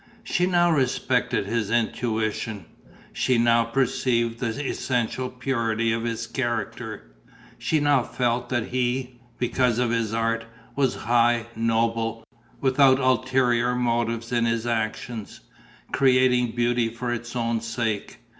She now respected his intuition; she now perceived the essential purity of his character; she now felt that he because of his art was high, noble, without ulterior motives in his actions, creating beauty for its own sake.